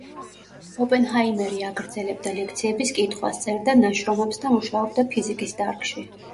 ოპენჰაიმერი აგრძელებდა ლექციების კითხვას, წერდა ნაშრომებს და მუშაობდა ფიზიკის დარგში.